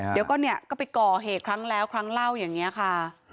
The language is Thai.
เดี๋ยวก็เนี่ยก็ไปก่อเหตุครั้งแล้วครั้งเล่าอย่างนี้ค่ะ